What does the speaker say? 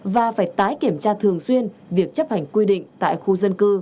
và phải tái kiểm tra thường xuyên việc chấp hành quy định tại khu dân cư